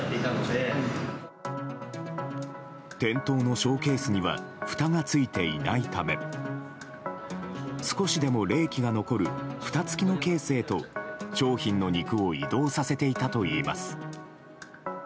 店頭のショーケースにはふたがついていないため少しでも冷気が残るふた付きのケースへと商品の肉を移動させていたといいます。